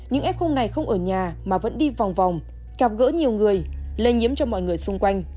những f khung này không ở nhà mà vẫn đi vòng vòng gặp gỡ nhiều người lây nhiễm cho mọi người xung quanh